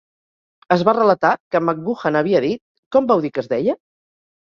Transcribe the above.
Es va relatar que McGoohan havia dit Com vau dir que es deia?